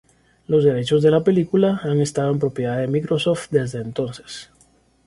Los derechos de la película han estado en propiedad de Microsoft desde entonces.